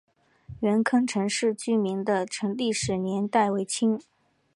元坑陈氏民居的历史年代为清。